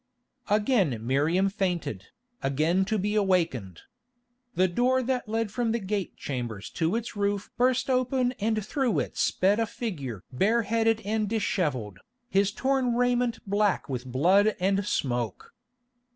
Again Miriam fainted, again to be awakened. The door that led from the gate chambers to its roof burst open and through it sped a figure bare headed and dishevelled, his torn raiment black with blood and smoke.